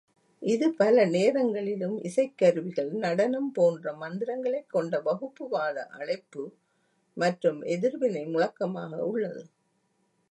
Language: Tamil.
இது, பல நேரங்களிலும், இசைக்கருவிகள், நடனம் போன்ற மந்திரங்களைக் கொண்ட வகுப்புவாத, அழைப்பு மற்றும் எதிர்வினை முழக்கமாக உள்ளது.